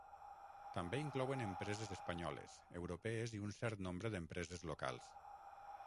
També inclouen empreses espanyoles, europees i un cert nombre d'empreses locals.